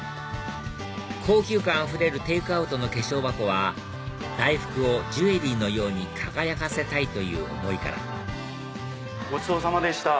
高級感あふれるテイクアウトの化粧箱は大福をジュエリーのように輝かせたいという思いからごちそうさまでした。